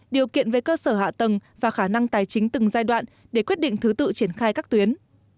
điều kiện về cơ sở hạ tầng và khả năng tài chính từng giai đoạn để quyết định thứ tự triển khai các tuyến